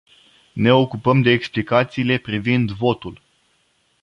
Ne ocupăm de explicațiile privind votul.